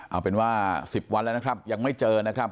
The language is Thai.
เอาเป็นว่า๑๐วันแล้วนะครับยังไม่เจอนะครับ